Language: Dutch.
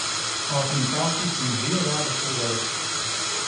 Organisaties doen zeer waardevol werk.